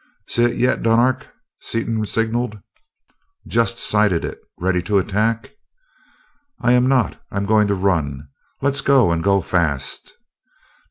"See it yet, Dunark?" Seaton signaled. "Just sighted it. Ready to attack?" "I am not. I'm going to run. Let's go, and go fast!"